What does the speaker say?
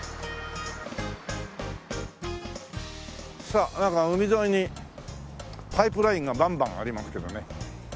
さあなんか海沿いにパイプラインがバンバンありますけどね。